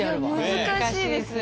難しいです。